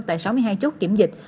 tại sáu mươi hai chốt kiểm dịch